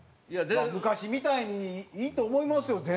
昔みたいにいいと思いますよ